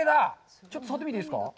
ちょっと触ってみていいですか。